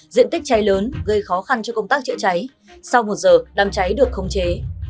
diện tích cháy lớn gây khó khăn cho công tác chữa cháy sau một giờ đám cháy được khống chế